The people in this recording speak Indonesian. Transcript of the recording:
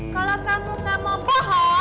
kalau kamu gak mau bohong